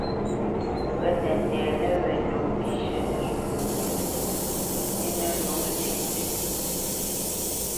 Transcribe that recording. Pǝ nǝ ndɛnǝ wé nǒ mbíshʉ̂ nǝshu sɩ́nǝ nǒ lyéʼmbí.